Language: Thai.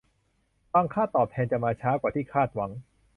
บางค่าตอบแทนจะมาช้ากว่าที่คาดหวัง